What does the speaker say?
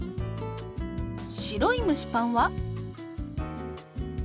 白い蒸しパンは？